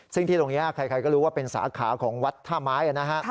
ซึ่งที่ตรงนี้ใครก็รู้ว่าเป็นสาขาของวัดท่าไม้นะฮะ